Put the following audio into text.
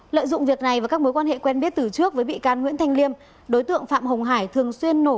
lợi dụng việc này và các mối quan hệ quen biết từ trước với bị can nguyễn thanh liêm đối tượng phạm hồng hải thường xuyên nổ